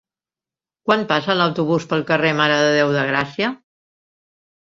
Quan passa l'autobús pel carrer Mare de Déu de Gràcia?